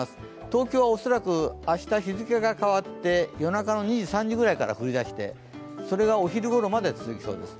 東京は恐らく明日、日付が変わって夜中の２時、３時くらいから降り始めそれがお昼ごろまで続きそうです。